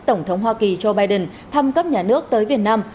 tổng thống hoa kỳ joe biden thăm cấp nhà nước tới việt nam